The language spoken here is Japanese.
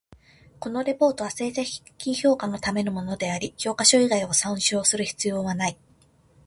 このレポートは成績評価のためのものであり、教科書以外を参照する必要なない。